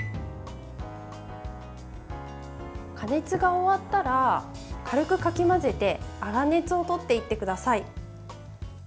加熱が終わったら軽くかき混ぜて粗熱をとっていってください。